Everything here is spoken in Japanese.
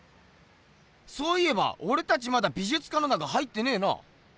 そういえばオレたちまだ美じゅつかんの中入ってねえな。